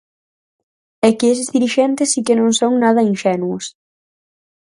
É que eses dirixentes si que non son nada inxenuos.